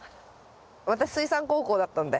私水産高校だったんで。